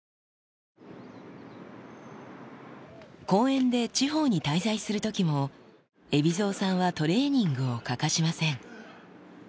公演で地方に滞在するときも、海老蔵さんはトレーニングを欠かしません。